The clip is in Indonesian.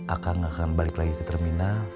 akang nggak akan balik lagi ke terminal